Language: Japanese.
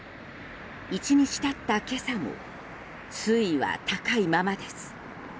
１日経った今朝も水位は高いままです。